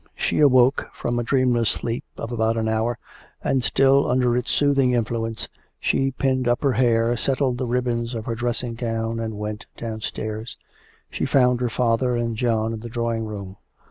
She awoke from a dreamless sleep of about an hour, and, still under its soothing influence, she pinned up her hair, settled the ribbons of her dressing gown, and went downstairs. She found her father and John in the drawing room.